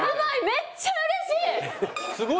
めっちゃうれしい！